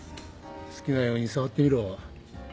好きなように触ってみろ。